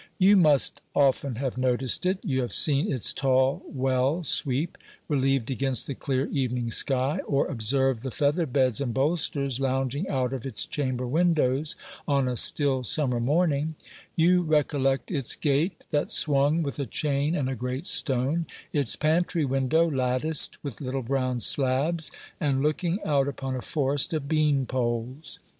You must often have noticed it; you have seen its tall well sweep, relieved against the clear evening sky, or observed the feather beds and bolsters lounging out of its chamber windows on a still summer morning; you recollect its gate, that swung with a chain and a great stone; its pantry window, latticed with little brown slabs, and looking out upon a forest of bean poles.